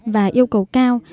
và yêu cầu cao